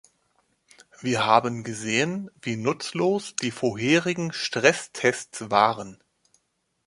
Wir haben gesehen, wie nutzlos die vorherigen Stresstests waren.